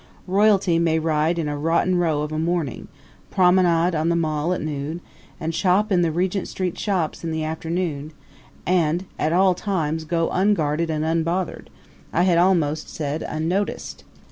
Royalty may ride in Rotten Row of a morning, promenade on the Mall at noon, and shop in the Regent Street shops in the afternoon, and at all times go unguarded and unbothered I had almost said unnoticed.